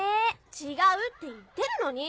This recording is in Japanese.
違うって言ってるのに！